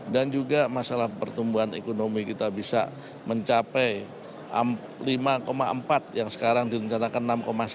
dan juga masalah pertumbuhan ekonomi kita bisa mencapai lima empat yang sekarang direncanakan enam satu